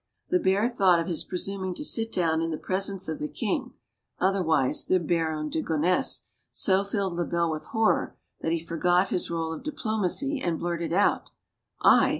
The bare thought of his presuming to sit down in the presence of the king otherwise "the Baron c e Gonesse" so filled Lebel with horror that he forget his role of diplomacy and blurted out: "I?